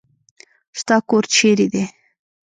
ستا کور چيري دی.